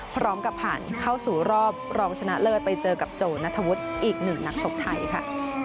พร้อมกับผ่านเข้าสู่รอบรองชนะเลิศไปเจอกับโจนัทธวุฒิอีกหนึ่งนักชกไทยค่ะ